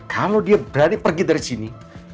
kalau dia berani pergi dari sini